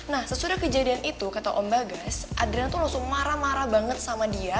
nah sesudah kejadian itu kata om bagas adriana tuh langsung marah marah banget sama dia